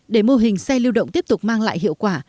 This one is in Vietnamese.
để mô hình xe lưu động tiếp tục mang lại hiệu quả